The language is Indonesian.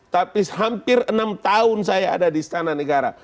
tapi hampir enam tahun saya ada di istana negara